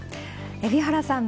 海老原さん